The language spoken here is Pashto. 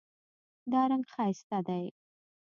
دا رنګ ښایسته دی